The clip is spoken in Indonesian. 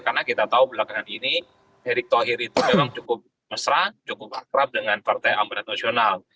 karena kita tahu belakangan ini erick thohir itu memang cukup mesra cukup akrab dengan partai ambarat nasional